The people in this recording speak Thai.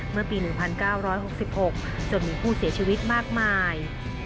เมื่อปี๑๙๖๖จนมีผู้เสียชีวิตมากมาย